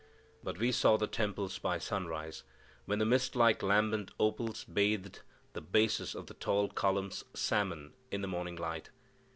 But we saw the temples by sunrise, when the mistlike lambent opals bathed the bases of the tall columns salmon in the morning light!